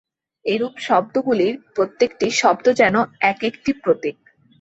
এরূপ শব্দগুলির প্রত্যেকটি শব্দ যেন এক-একটি প্রতীক।